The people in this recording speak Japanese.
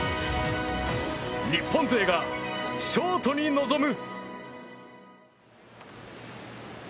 日本勢が、ショートに臨む！